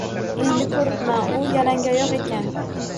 Endi ko‘ribman, u yalangoyoq ekan